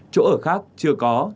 chỗ ở khác chưa có